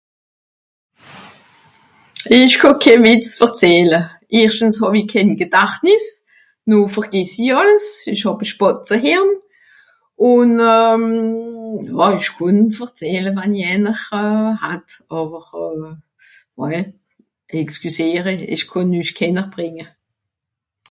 isch kàh keh Wìtz verzähle erschtens hàwi kehn Gedàchtniss nò vergässi àlles isch hàb à Spàzehern ùn euh jò ìsch kànn à verzähle wenn'i einer hat àwer euh ouais excùsiere ìsch kànn üss kehner brìnge